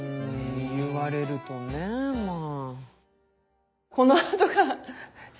言われるとねまあ。